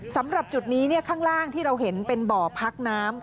สำหรับจุดนี้ข้างล่างที่เราเห็นเป็นบ่อพักน้ำ